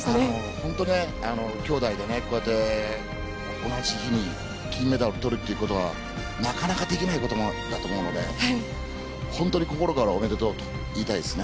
本当ね、兄妹でねこうやって、同じ日に金メダルをとるということはなかなかできないことなので本当に心からおめでとうと言いたいですね。